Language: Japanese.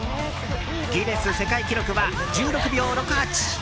ギネス世界記録は１６秒６８。